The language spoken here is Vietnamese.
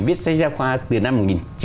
viết sách giáo khoa từ năm